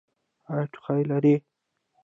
ایا ټوخی لرئ؟